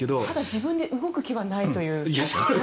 自分で動く気はないという。